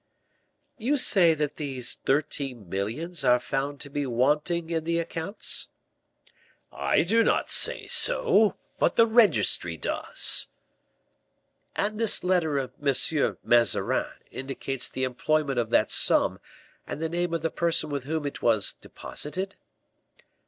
"You say that these thirteen millions are found to be wanting in the accounts?" "I do not say so, but the registry does." "And this letter of M. Mazarin indicates the employment of that sum and the name of the person with whom it was deposited?"